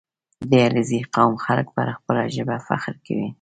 • د علیزي قوم خلک پر خپله ژبه فخر کوي.